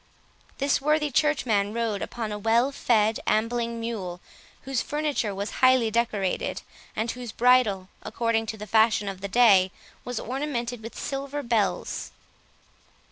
This worthy churchman rode upon a well fed ambling mule, whose furniture was highly decorated, and whose bridle, according to the fashion of the day, was ornamented with silver bells.